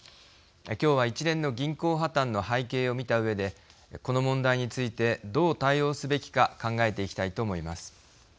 今日は一連の銀行破綻の背景を見たうえでこの問題についてどう対応すべきか考えていきたいと思います。